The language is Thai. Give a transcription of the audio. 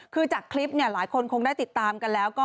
คือจากคลิปหลายคนคงได้ติดตามกันแล้วก็